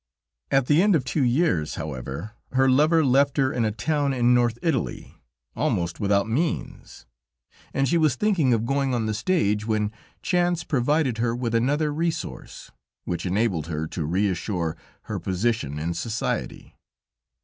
At the end of two years, however, her lover left her in a town in North Italy, almost without means, and she was thinking of going on the stage, when chance provided her with another resource, which enabled her to reassure her position in society.